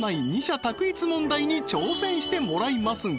択一問題に挑戦してもらいますが